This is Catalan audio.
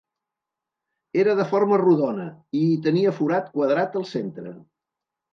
Era de forma rodona i hi tenia forat quadrat al centre.